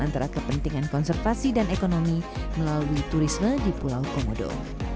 antara kepentingan konservasi dan ekonomi melalui turisme di pulau komodo